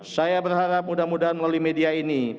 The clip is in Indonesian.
saya berharap mudah mudahan melalui media ini